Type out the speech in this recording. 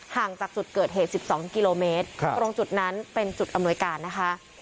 ห่างจากจุดเกิดเหตุ๑๒กิโลเมตรตรงจุดนั้นเป็นจุดอำนวยการนะคะ